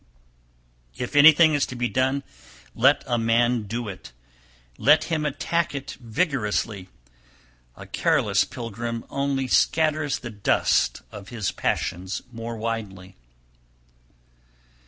313. If anything is to be done, let a man do it, let him attack it vigorously! A careless pilgrim only scatters the dust of his passions more widely.